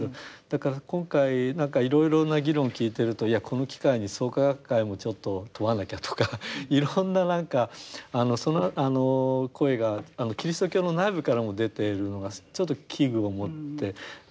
だから今回何かいろいろな議論を聞いてるといやこの機会に創価学会もちょっと問わなきゃとかいろんな何か声がキリスト教の内部からも出ているのがちょっと危惧を持ってるところがございます。